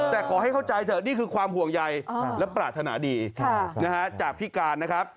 แต่ขอให้เข้าใจเถอะนี่คือความห่วงใยและปรารถนาดีจากพิการนะครับ